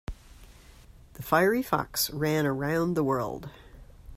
The fiery fox ran around the world.